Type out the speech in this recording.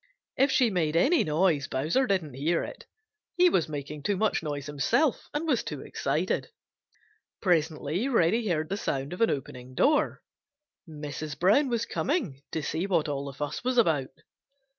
If she made any noise, Bowser didn't hear it. He was making too much noise himself and was too excited. Presently Reddy heard the sound of an opening door. Mrs. Brown was coming to see what all the fuss was about.